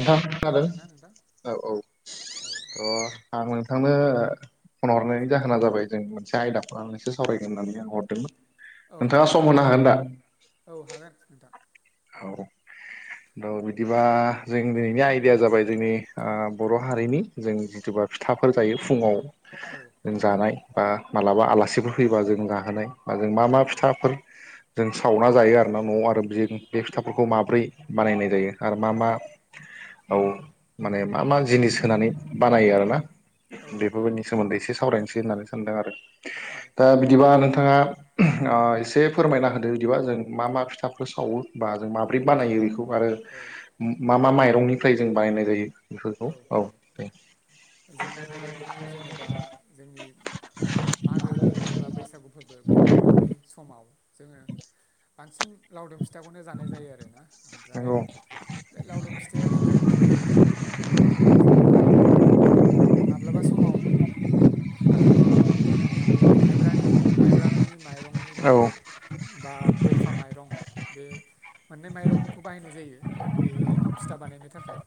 नोंथां खोनादो औ औ अ आं नोंथांनो फन हरनायनि जाहोना जाबाय जों मोनसे आयदाखौ लानानैसो सावरायगोन होननानै आं हरदोंमोन। औ औ औ हागोन नोंथां। हौ औ बिदिबा जों दिनैनि आयदाया जाबाय जोंनि ओ बर' हारिनि जों जिथुबा फिथाफोर जायो फुङाव जों जानाय बा मालाबा आलासिफोर फैबा जों जाहोनाय आरो मा मा फिथाफोर जों सावना जायो आरोना न'आव आरो बिजों बे फिथाफोरखौ माब्रै बानायनाय जायो आरो मा मा औ माने मा मा जिनिस होनानै बानायो आरोना बेफोरबोनि सोमोन्दै एसे सावरायनसै होननानै सानदों आरो दा बिदिबा नोंथाङा आ एसे फोरमायना होदो इदिबा जों मा मा फिथाफोर सावो बा जों माब्रै बानायो इखौ आरो मा मा माइरंनिफ्राय जों बानायनाय जायो औ औ औ जोङो ओरैनो जेनेबा जोंनि ओ मागो फोरबो बा बैसागु फोरबो बेफोर नङि समाव जोङो बांसिन लावदुम फि फिथाखौनो जानाय जायो आरो ना ओमफ्राय बे लावदुम फिथा बेनो जे माखा माब्लाबा समाव। मा होनो बे माइब्रानि माइब्रानि माइरंनि गुन्दै। बा बखा माइरं बे। मोननै माइरंखौ बाहायनाय जायो बे फिथा बानायनो थाखाय।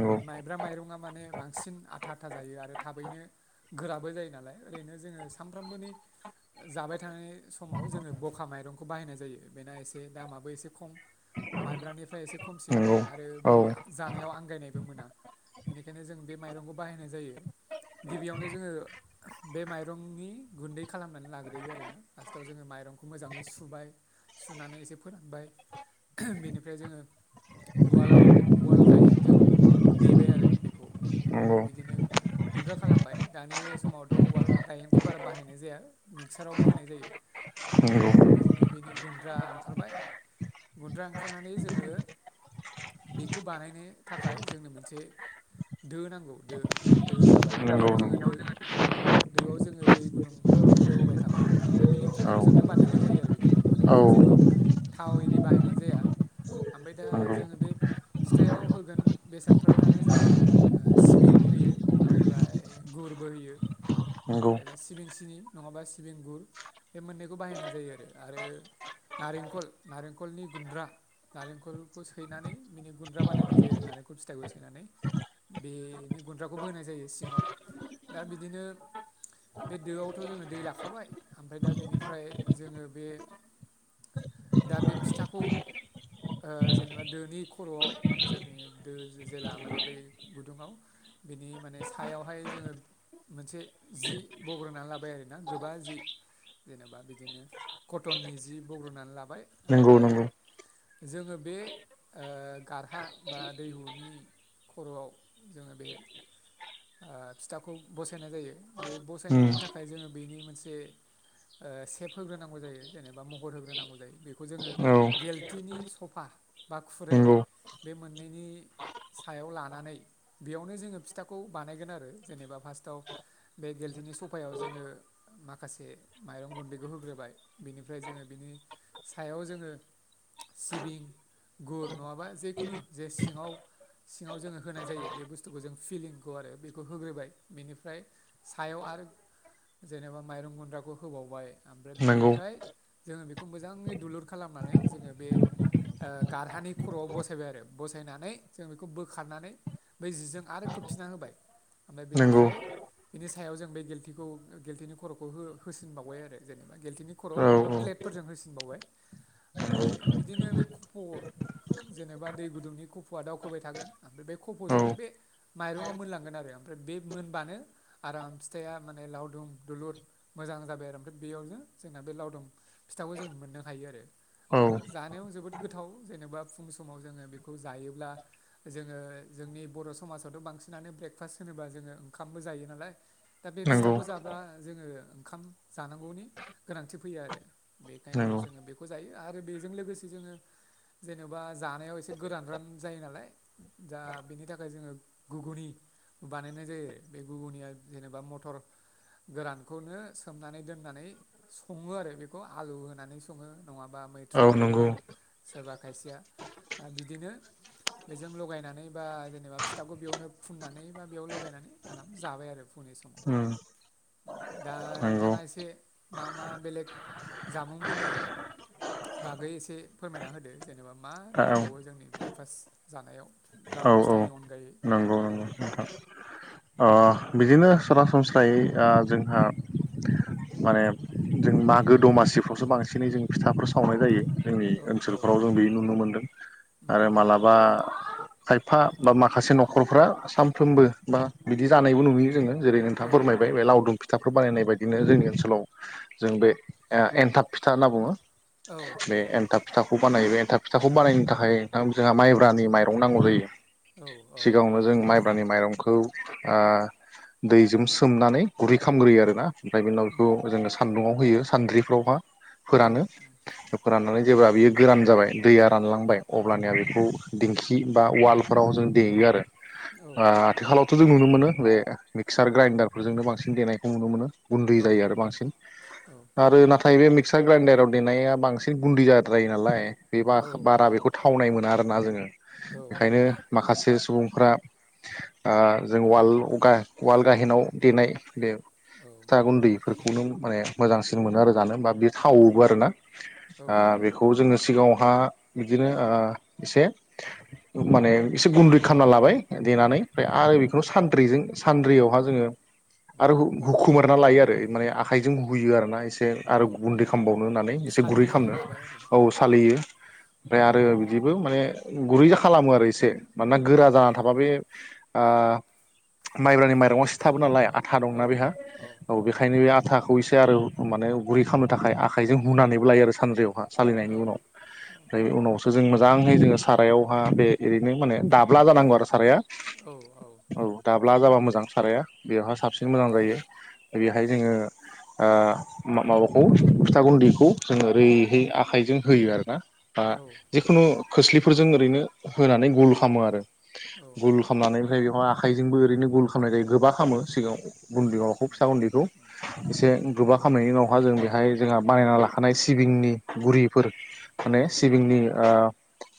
माने माइब्रा माइरङा माने बां। सिन आथा आथा जायो आरो थाबैनो गोराबो जायो नालाय ओरैनो जोङो सानफ्रामबोनि। जाबाय थानाय समाव जोङो बखा माइरंखौ बाहायनाय जायो बेना एसे दामाबो एसे खम। माइब्रानिफ्राय एसे खमसिन आरो बेयो जानायाव आंगायनायबो मोना। बेनिखायनो जों बे माइरंखौ बाहायनाय जायो गिबियावनो जोङो। बे माइरंनि गुन्दै खालामनानै लाग्रोयो आरोना फार्टआव जोङो माइरंखौ मोजाङै सुबाय। सुनानै एसे फोरानबाय। बेनिफ्राय जोङो उवालाव उवाल गायहेनजों। देबाय आरो बेखौ ओमफ्राय बिदिनो। गुन्द्रा खालामबाय दानि समावथ' उवाल गायेनखौ बारा बाहायनाय जाया मिक्सारावबो होनाय जायो। ओमफ्राय बिदिनो बेनि गुन्द्रा ओंखारबाय। गुन्द्रा ओंखारनानै जोङो बेखौ बानायनो थाखाय। जोंनो मोनसे दो नांगौ दो दो जाबाय बेयाव जोङो दो। दोआव जोङो दै गुदुं। गोदौ होबाय थाबाय ओमफ्राय बिनि खफ'जोंनो बानायनाय जायो आरो बेखौ माने बेयाव जेबो। थाव इदि बाहायनाय जाया ओमफ्राय दा जोङो बे फिथाइाव होगोन। बेसादफोरानो जाबाय सिबिं होयो ओमफ्राय गुरबो होयो। ओमफ्राय बे सिबिं सिनि नङाबा सिबिं गुर बे मोननैखौ बाहायनाय जायो आरो आरो। नारेंखल नारेंखलनि गुन्द्रा। नारेंखलखौ सैनानै बिनि गुन्द्रा बानायनाय जायो आरो नारेंख। फिथाइखौ सोनानै बेनि गुन्द्राखौबो होनाय जायो सिङाव। दा बिदिनो। बे दोआवथ' जोङो दै लाखाबाय ओमफ्राय दा बेनिफ्राय जोङो बे। दा बे फिथाखौ ओ जेनेबा दोनि खर'आव जोंनि। दो जेला माने बै गुदुङाव बिनि माने सायावहाय जोङो। मोनसे जि बग्रोना लाबाय आरोना गोबा जि। जेनेबा बिदिनो कटननि जि बग्रोनानै लाबाय। ओमफ्राय जोङो बे ओ गारहा बा। दैहुनि खर'आव जोङो बे। ओ फिथाखौ बसायनाय जायो बे बसायनायनि थाखाय जोङो बेनि मोनसे। ओ सेब होग्रोनांगौ जायो जेनेबा महर होग्रोनांगौ जायो बेखौ जोङो। गेलथिनि सफा बा खुरै। बे मोननैनि सायाव लानानै बेयावनो जोङो फिथा। खौ बानायगोन आरो जेनेबा फार्स्टआव बे गेल्थिनि सफायाव जोङो। माखासे माइरं गुन्दैखौ होग्रोबाय बिनिफ्राय जोङो बिनि। सायाव जोङो। सिबिं गुर नङाबा जेखुनु जे सिङाव। सिङाव जोङो होनाय जायो बे बुस्थुखौ जों फिलिं। खौ आरो बेखौ होग्रोबाय बिनिफ्राय सायाव आरो। जेनेबा माइरं गुन्द्राखौ होबावबाय आमफ्राय बिनिफ्राय जोङो बेखौ मोजाङै दुलुर खालामनानै जोङो बे ओ गारहानि खर'आव बसायबाय आरो बसायनानै जों बेखौ बोखारनानै बै जिजों आरो खोबफिना होबाय ओमफ्राय बेनिफ्राय। बिनि जों गेल्थिखौ गेल्थिनि खर'खौ होसिनबावबाय आरो जेनेबा गेल्थिनि खर'आव नङाबा प्लेट फोरजों होसिनबावबाय ओमफ्राय बिदिनो बे खफ' जेनेबा दै गुदुंनि खफ'आ दावखोबाय थागोन आमफ्राय बे खफ'जोंनो बे माइरंङा मोनलांगोन आरो ओमफ्राय बे मोनबानो आराम फिथाया माने लावदुम दुलुर मोजां जाबाय आरो ओमफ्राय बेयावनो जोंना बे लावदुम फिथाखौ जों मोननो हायो आरो। आमफ्राय जानायाव जोबोद गोथाव जेनेबा फुं समाव जोङो बिखौ जायोब्ला जोङो जोंनि बर' समाजावथ' बांसिनानो ब्रेकफास्ट होनोबा जोङो ओंखामबो जायो नालाय दा बे फिथाखौ जाब्ला जोङो ओंखाम जानांगौनि गोनांथि फैयो आरो। बेखायनो जोङो बेखौ जायो आरो बेजों लोगोसे जोङो जेन'बा जानायाव एसे गोरान रान जायो नालाय दा बेनि थाखाय जोङो घुगुनि बानायनाय जायो बे घुगुनिया जेनेबा मटर गोरानखौनो सोमनानै दोननानै सङो आरो बेखौ आलु होनानै सङो नङाबा मैथ्रु इरि होगोन सोरबा खायसेया आ बिदिनो बेजों लगायनानै बा जेनेबा फिथाखौ बेयावनो फुननानै बा बेयाव लगायनानै आराम जाबाय आरो फुंनि समाव। दा नोंथाङा एसे मा मा बेलेग जामुंफोरनि बागै एसे फोरमायना होदो जेनेबा मा दंबावो जोंनि ब्रेकफास्ट जानायाव। लावदुम फिथानि अनगायै। औ। बिदिनो सरासनस्रायै ओ जोंहा माने जों मागो दमासिफ्रावसो बांसिनै जों फिथाफोर सावनाय जायो। जोंनि ओनसोलफ्राव जों बे नुनो मोनदों आरो मालाबा खायफा बा माखासे न'खरफ्रा सानफ्रोमबो बा बिदि जानायबो नुयो जोङो। जेरै नोंथां फोरमायबाय बे लावदुम फिथाफोर बानायनाय बायदिनो जोंनि ओनसोलाव जों बे ए-एनथाब फिथा होनना बुङो। बे एन्थाब फिथाखौ बानायो। बे एन्थाब फिथाखौ बानायनो थाखाय नोंथां जोंहा माइब्रानि माइरं नांगौ जायो। सिगाङावनो जों माइब्रानि माइरंखौ आ दैजोम सोमनानै गुरै खामग्रोयो आरोना ओमफाय बिनि उनाव बिखौ जोङो सान्दुंङाव होयो सान्द्रिफ्रावहा फोरानो फोराननानै जेब्ला बियो गोरान जाबाय दैया रानलांबाय अब्लानिया बिखौ दिंखि बा वाल फ्राव जों देयो आरो। आ आथिखालावथ' जों नुनो मोनो बे मिक्सार ग्राइडार फोरजोंनो बांसिन देनायखौ नुनो मोनो। गुन्दै जायो आरो बांसिन आरो ना थाय बे मिक्सार ग्राइन्डाराव देनाया बांसिन गुन्दि जाद्रायो नालाय बे बा-बारा बेखौ थावनाय मोना आरोना जोङो। बेखायनो माखासे सुबुंफ्रा ओ जों वाल उगा वाल गाहेनाव देनाय बे औ फिथा गुन्दैफोरखौनो माने मोजांसिन मोनो आरो जानो मानो ओमबा बे थावोबो आरो ना। ओ बिखौ जोङो सिगाङावहा इदिनो ओ एसे ओ माने एसे गुन्दै खामना लाबाय देनानै ओमफाय आरो बे खौ सानद्रिजों सानद्रैयावहा जोङो आरो हु-हुखुमोर ना लायो आरो माने आखाइजों हुगैयो आरोना एसे। आरो गुन्दै खामबावनो होननानै एसे गुरै खामनो औ सालियो। ओमफाय आरो बिदिबो माने गुरै खालामो आरो एसे मानोना गोरा जाना थाबा बे ओ माइब्रानि माइरंआ सिथाबो नालाय आथा दंना बेहा औ बेखायनो बे आ थाखौ इसे आरो माने गुरै खामनो थाखाय आखाइजों हुनानैबो लायो आरो सानद्रिआवहा सालिनायनि उनाव ओमफ्राय उनाव जों मोजांहै जोङो सारायावहा बे ओरैनो माने दाब्ला जानांगौ आरो साराया। औ औ। औ दाब्ला जाबा मोजां साराया बेवहाय साबसिन मोजां जायो बेहाय जोङो ओ माबाखौ फिथा गुन्दैखौ जोङो ओरैहाय आखाइजों होयो आरोना। बा जिखुनु खोस्लिफोरजों ओरैनो होनानै गुल खालामो आरो गुल खामनानै ओमफ्राय बेवहा आखाइजोंबो ओरैनो गुल खालामनाय जायो गोबा खालामो सिगाङाव गुन्दैखौ फिथा गुन्दैखौ। एसे गोबा खामनायनि उनावहा जों बेहाय जोंहा बानायना लाखानाय सिबिंनि गुरिफोर माने सिबिंनि ओ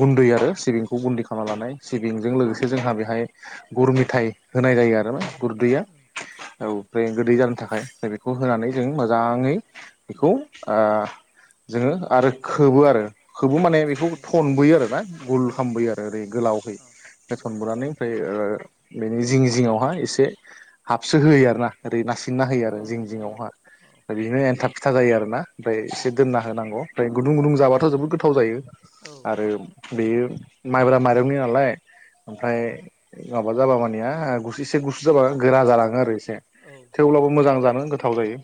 गुन्दै आरो सिबिंखौ गुन्दै खालामना लानाय। सिबिंजों लोगोसे जोंहा बेहाय गुर मिथाइ होनाय जायो आरो। गुुरदैयो औ ओमफ्राय गोदै जानो थाखाय बेखौ होनानै जों मोजाङै बेखौ ओ जोङो आरो खोबो आरो खोबो माने बेखौ थनबोयो आरोना गुल खालामबोयो आरो ओरै गोलावहै बे थनबोनानै ओमफाय ओ बेनि जिं जिङावहा एसे हाबसो होयो आरोना ओरै नारसिना होयो आरो जिं जिङावहा। ओरैनो एन्थाब फिथा जायो आरोना। ओमफ्राय एसे दोनना होनांगौ ओमफ्राय गुदुं-गुदुं जाबाथ' जोबोद गोथाव जायो आरो बेयो माइब्रा माइरंनि नालाय ओमफ्राय माबा जाबा मानिया गुसुसे गुसु जाबा गोरा जालाङो आरो एसे थेवब्लाबो मोजां जानो। थाव जायो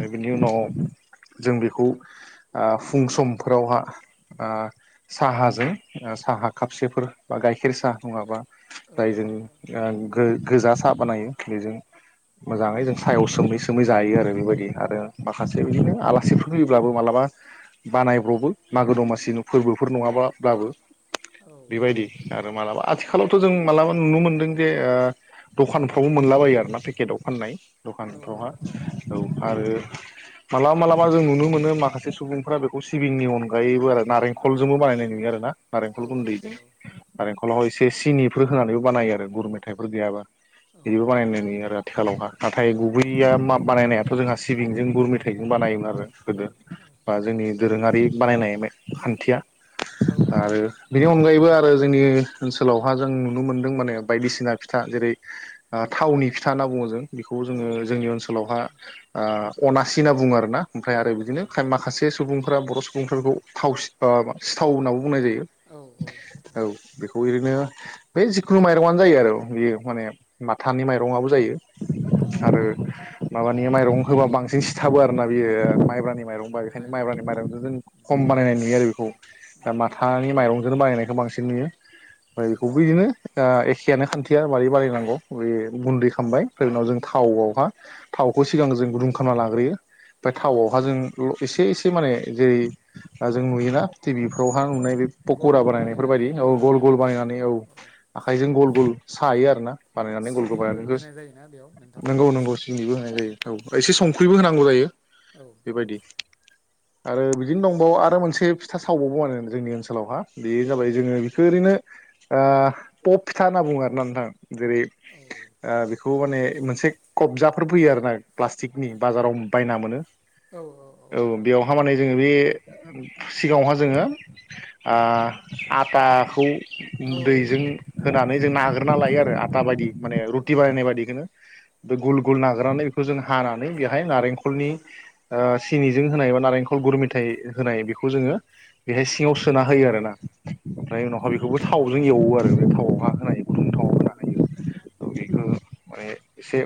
ओ बिनि उनाव जों बेखौ ओ फुं समफोरावहा ओ साहाजों साहा खापसेफोर बा गाइखेर साहा नङाबा जाय जों ओ गोजा साहा बानायो बेजों मोजाङै जों सायाव सोमै सोमै सोमै जायो आरो बेबायदि आरो माखासे बिदिनो आलासिफोर फैयोब्लाबो मालाबा बानायब्र'बो मागो दमासि फोरबोफोर नङाब्लाबो। बेबायदि आरो मालाबा आथिखालावथ' जों मालाबा नुनो मोनदों जे ओ दखानफ्रावबो मोनलाबायो आरोना पेकेटआव फानाय दखानफ्रावहा। औ आरो मालाबा मालाबा जों नुनो मोनो माखासे सुबुंफोरा बेखौ सिबिंनि अनगायैबो आरो नारेंखलजोंबो बानायनाय नुयो आरोना। नारेंखल गुन्दै नारेंखलाव एसे सिनिफोर होनानैबो बानायो आरो गुर मेथाइफोर गैयाबा। इदिबो बानायनाय नुयो आरो आथिखालावहा नाथाय गुबैया बानायनायाथ' जोंहा सिबिं जों गुरमे थाइजों बानायोमोन आरो गोदो बा जोंनि दोरोङारि बानायनाय खान्थिया। आरो बिनि अनगायैबो आरो जोंनि ओनसोलावहा जों नुनो मोनदों माने बायदिसिना फिथा जेरै ओ थावनि फिथा होनना बुङो जों बेखौ जोङो जोंनि ओनसोलावहा ओ अनासि होनना बुङो आरोना ओमफ्राय आरो बिदिनो माखासे सुबुंफोरा बर' सुबुंफोरखौ थावसि ओ मा सिथाव होननाबो बुंनाय जायो औ बेखौ एरैनो बै जिखुनु माइरंयानो जायो आरो बियो माने माथानि माइरंआबो जायो आरो माबानि माइरं होबा बांसिन सिथाबो आरो ना बियो माइब्रानि माइरंबा बेखायनो माइब्रानि माइरंजों जों खम बानायनाय नुयो आरो बेखौ दा माथानि माइरंजोंनो बानायनायखौ बांसिन नुयो ओमफ्राय बेखौ बुयजोंनो ओ एखेयानो खान्थिया मारै बानायनांगौ बै गुन्दै खामबाय उनाव जों थावआवहा थावखौ सिगां जों गुदुं खामना लाग्रोयो। ओमफाय थावआवहा जों एसे एसे माने जेरै ओ जों नुयोना टि बि फ्राव हा नुनाय पक'रा बानायनायफोरबायदि औ गल गल बानायनानै औ आखाइजों गल गल सायो आरो ना? बानायनानै गलखौ बानायनानै जास नोंगौ नोंगौ सिनिबो होनाय जायो। औ एसे संख्रैबो होनांगौ जायो। औ बेबायदि आरो बिदिनो दंबावो आरो मोनसे फिथा सावबावो आरो जोंनि ओनसोलावहा बे जाबाय जोङो बेखो ओरैनो पप फिथा होनना बुङो आरोना नोंथां जेरै ओ बेखौ माने मोनसे खबजाफोर फैयो आरो ना प्लास्टिकनि बाजाराव बायना मोनो। औ बेयावहा माने जोङो बे सिगाङावहा जोङो ओ आटाखौ दैजों होनानै जों नाग्रोना लायो आरो आटा बायदि माने रुटि बानायनाय बायदिखोनो गुल गुल नागिरनानै बेखौ जों हानानै बेहाय नारेंखलनि ओ सिनिजों होनाय बा नारेंखल गुरु मेथाइ होनाय बेखौ जोङो बेहाय सिङाव सोना होयो आरोना ओमफ्राय उनावहा बेखौबो थावजों एवो आरो थाव हा होनानै गुदुं थाव होनानै बेखौ माने एसे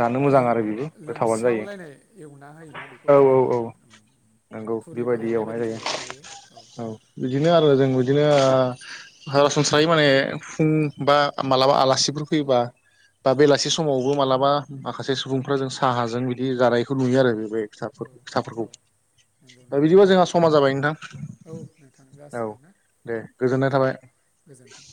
जानो मोजां आरो बे लोमसावलायनाय एवना होयोना बेखौ थावआवहाय? फुरिफोर एवनाय बायदि जाहैबाय बेयो औ बिदिनो आरो जों बिदिनो ओ सरासनस्रायै माने फुं बा मालाबा आलासिफोर फैबा बा बेलासे स समावबो मालाबा माखासे सुबुंफोरा जों साहाजों बिदि जानायखौ नुयो आरो बेबायदि फिथाफोर फिथाफोरखौ दा बिदिबा जोंहा समा जाबाय नोंथां। औ नोंथां जासिगोन ना औ दे गोजोनथों।